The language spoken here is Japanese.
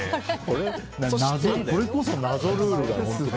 これこそ謎ルールだ。